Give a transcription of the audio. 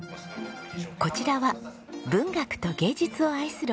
こちらは文学と芸術を愛するお仲間。